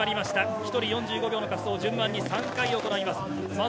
１人４５秒の滑走を順番に３回行います。